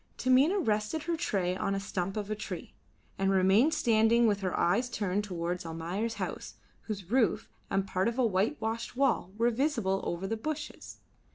Taminah rested her tray on a stump of a tree, and remained standing with her eyes turned towards Almayer's house, whose roof and part of a whitewashed wall were visible over the bushes.